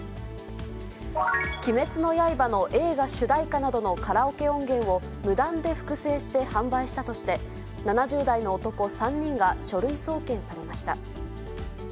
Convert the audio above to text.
鬼滅の刃の映画主題歌などのカラオケ音源を無断で複製して販売したとして、７０代の男３人が書類送検されました。